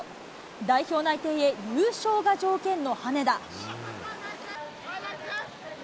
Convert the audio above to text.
代表内定へ、優勝が条件の羽根田。